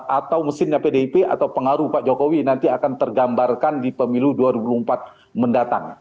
atau mesinnya pdip atau pengaruh pak jokowi nanti akan tergambarkan di pemilu dua ribu empat mendatang